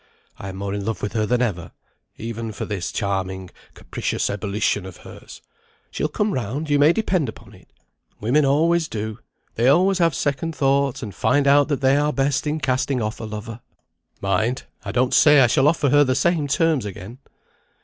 I am more in love with her than ever; even for this charming capricious ebullition of hers. She'll come round, you may depend upon it. Women always do. They always have second thoughts, and find out that they are best in casting off a lover. Mind! I don't say I shall offer her the same terms again."